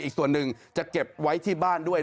อีกส่วนหนึ่งจะเก็บไว้ที่บ้านด้วย